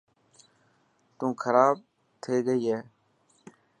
تي کراب ٿي گئي هي.